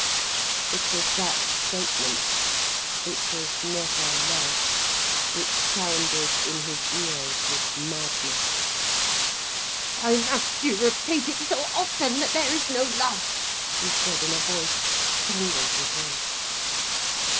It was that statement "It was never love," which sounded in his ears with madness. "Why must you repeat it so often, that there is no love?" he said in a voice strangled with rage.